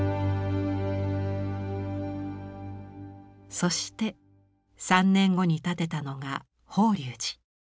そして３年後に建てたのが法隆寺。